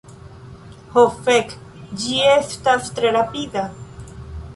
Ho fek, ĝi estas tre rapida.